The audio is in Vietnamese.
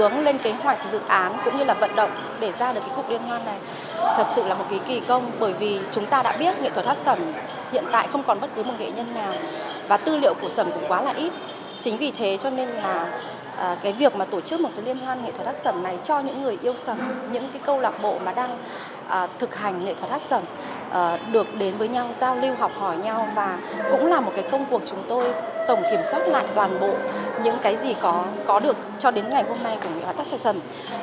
nó là một công cuộc chúng tôi tổng kiểm soát lại toàn bộ những cái gì có được cho đến ngày hôm nay của nghệ thuật hát sầm